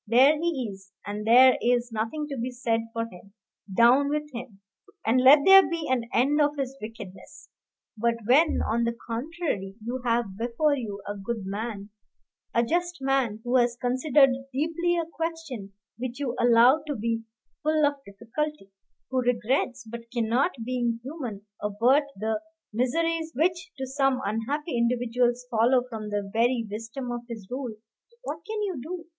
There he is, and there is nothing to be said for him down with him! and let there be an end of his wickedness. But when, on the contrary, you have before you a good man, a just man, who has considered deeply a question which you allow to be full of difficulty; who regrets, but cannot, being human, avert the miseries which to some unhappy individuals follow from the very wisdom of his rule, what can you do?